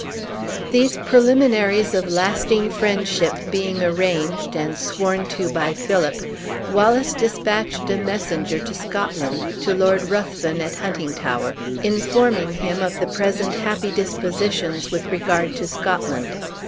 These preliminaries of lasting friendship being arranged, and sworn to by Philip, Wallace dispatched a messenger to Scotland, to Lord Ruthven, at Huntingtower, informing him of the present happy dispositions with regard to Scotland.